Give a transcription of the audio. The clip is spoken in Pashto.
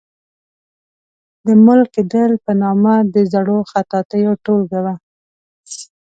د ملک دل په نامه د زړو خطاطیو ټولګه وه.